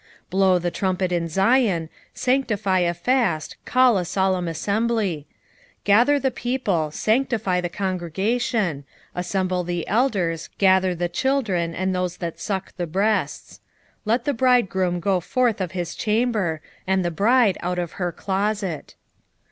2:15 Blow the trumpet in Zion, sanctify a fast, call a solemn assembly: 2:16 Gather the people, sanctify the congregation, assemble the elders, gather the children, and those that suck the breasts: let the bridegroom go forth of his chamber, and the bride out of her closet.